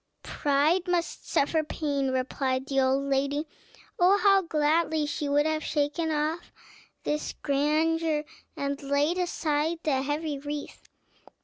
"Pride must suffer pain," replied the old lady. Oh, how gladly she would have shaken off all this grandeur, and laid aside the heavy wreath!